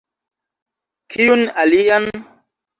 Kiun alian?